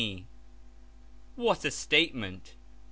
What a statement!